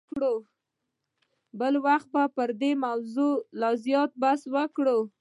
بل وخت به پر دې موضوع لا زیات بحث وکړو.